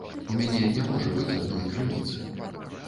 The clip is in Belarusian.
У мяне не можа быць адной крыніцы.